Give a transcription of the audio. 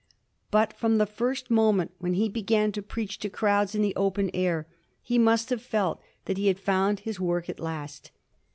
But from the first moment when he began to preach to crowds in the open air he must have felt that he had found his work at last.